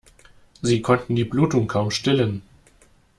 Sie konnten die Blutung kaum stillen.